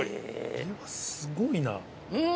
すごいな。